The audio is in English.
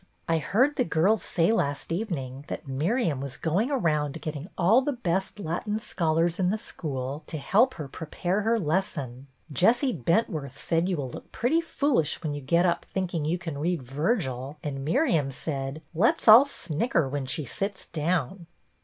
I heard the girls say last evening that Miriam was going around getting all the best Latin scholars in the school to help her prepare her lesson. Jessie Bentworth said you will look pretty foolish when you get up thinking you can read Virgil ; and Miriam said, ' Let 's all snicker when she sits down.